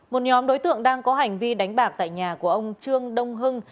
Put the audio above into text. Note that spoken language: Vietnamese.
một nhóm đối tượng đang có hành vi đánh bạc tại nhà của ông trương đông hưng